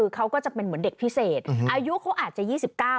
เขาก็จะเป็นเหมือนเด็กพิเศษอายุเขาอาจจะ๒๙